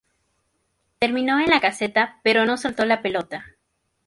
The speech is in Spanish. Terminó en la caseta pero no soltó la pelota.